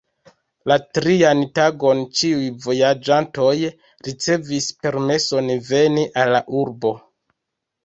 La trian tagon ĉiuj vojaĝantoj ricevis permeson veni al la urbo.